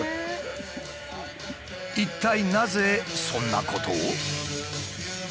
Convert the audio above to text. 一体なぜそんなことを？